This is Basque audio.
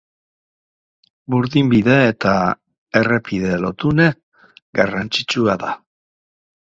Burdinbide eta errepide lotune garrantzitsua da.